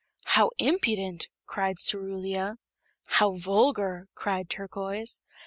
"How impudent!" cried Cerulia. "How vulgar!" cried Turquoise.